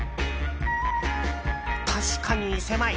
確かに狭い！